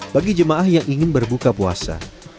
bagi jemaah yang ingin berbuka puasa